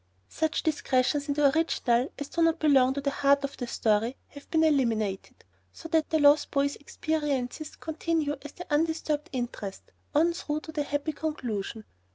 Such digressions in the original, as do not belong to the heart of the story, have been eliminated, so that the lost boy's experiences continue as the undisturbed interest, on through to the happy conclusion.